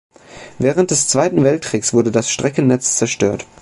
Während des Zweiten Weltkriegs wurde das Streckennetz zerstört.